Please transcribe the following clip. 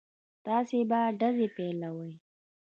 تاسې به ډزې پيلوئ.